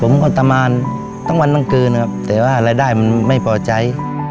ผมตามานตั้งวันตั้งกื่นครับแต่ว่ารายได้มันไม่เผาใจ